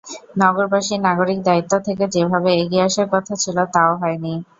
নগরবাসী নাগরিক দায়িত্ব থেকে যেভাবে এগিয়ে আসার কথা ছিল, তা–ও হয়নি।